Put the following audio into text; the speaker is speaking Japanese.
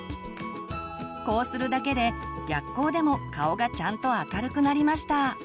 こうするだけで逆光でも顔がちゃんと明るくなりました。